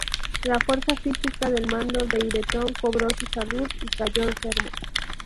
La fuerza física del mando de Ireton cobró su salud, y cayó enfermo.